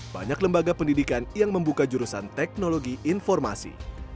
banyak lembaga pendidikan yang membuka jurusan teknologi informasi